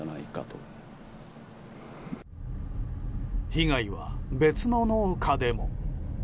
被害は別の農家でも。